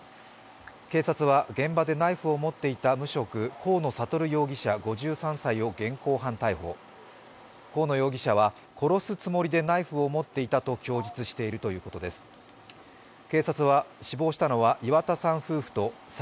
警察は現場でナイフを持っていた無職、河野智容疑者５３歳を現行犯逮捕、河野容疑者は殺すつもりでナイフを持っていたと供述しているということです。